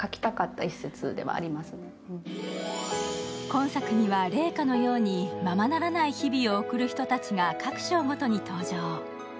今作には怜花のようにままならない日々を送る人たちが各章ごとに登場。